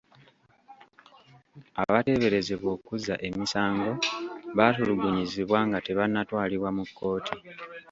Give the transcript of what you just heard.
Abateeberezebwa okuzza emisango baatulugunyizibwa nga tebannatwalibwa mu kkooti.